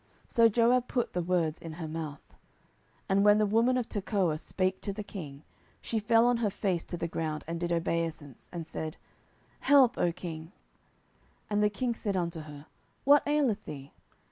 So Joab put the words in her mouth. 10:014:004 And when the woman of Tekoah spake to the king, she fell on her face to the ground, and did obeisance, and said, Help, O king. 10:014:005 And the king said unto her, What aileth thee?